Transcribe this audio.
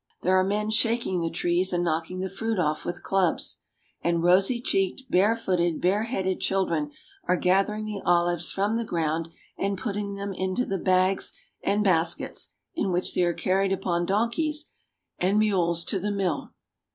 There are men shaking the trees, and knocking the fruit off with clubs ; and rosy cheeked, barefooted, bareheaded children are gathering the olives from the ground, and putting them into the bags and baskets in which they are carried upon donkeys and mules to the mill.